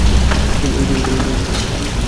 ঐ রিপোর্টারটাও টাকা খেয়েছিল।